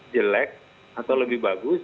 jelek atau lebih bagus